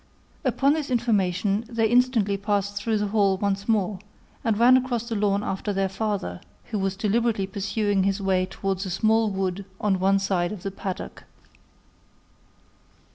Upon this information, they instantly passed through the hall once more, and ran across the lawn after their father, who was deliberately pursuing his way towards a small wood on one side of the paddock.